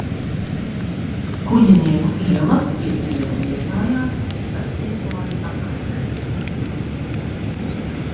Kuģinieku iela ir iela Liepājā, Vecliepājas apkaimē.